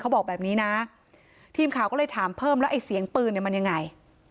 บอกแบบนี้นะทีมข่าวก็เลยถามเพิ่มแล้วไอ้เสียงปืนเนี่ยมันยังไง